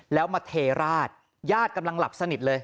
แล้วมาเทราชญาติกำลังหลับสนิทเลย